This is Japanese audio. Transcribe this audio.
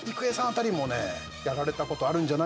辺りも、やられたことあるんじゃないのかな。